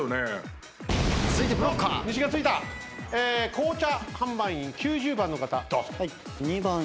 紅茶販売員９０番の方どうぞ。